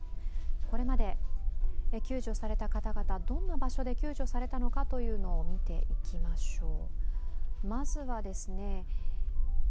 これまで救助された方々、どんな場所で救助されたのかを見ていきましょう。